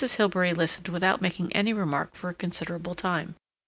Hilbery listened without making any remark for a considerable time.